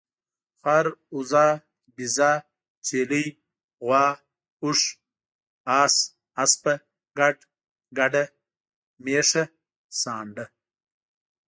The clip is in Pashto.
خر، اوزه، بيزه ، چيلۍ ، غوا، اوښ، اس، اسپه، ګډ، ګډه، ميښه، سانډه